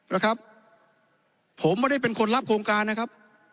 นะครับผมไม่ได้เป็นคนรับโครงการนะครับ